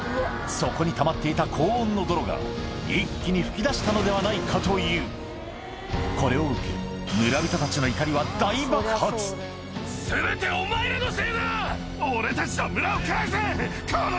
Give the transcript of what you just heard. そこにたまっていた高温の泥が一気に噴き出したのではないかというこれを受け村人たちの怒りは大爆発あの時。